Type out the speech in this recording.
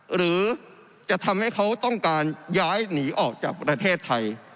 หรือจะทำให้เขาต้องการย้ายหนีออกจากประเทศไทย